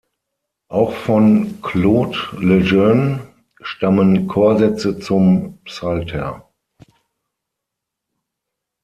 Auch von Claude Le Jeune stammen Chorsätze zum Psalter.